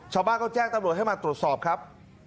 ชาวบ้านก็แจ้งตำรวจให้มาตรวจสอบครับ